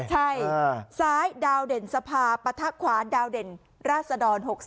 ใช่ซ้ายดาวเด่นสภาปะทะขวาดาวเด่นราศดร๖๓